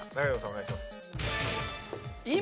お願いします。